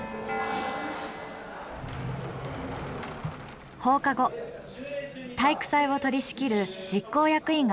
放課後体育祭を取りしきる実行役員が集まりました。